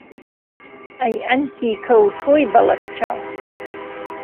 ئهی عهنتیکه و تۆی بهڵهک چاو